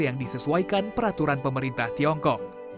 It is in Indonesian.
yang disesuaikan peraturan pemerintah tiongkok